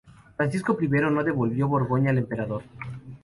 Francisco I no devolvió Borgoña al emperador.